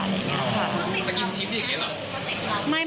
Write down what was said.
อะไรอย่างนี้ค่ะ